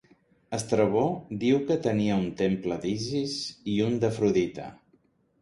Estrabó diu que tenia un temple d'Isis i un d'Afrodita.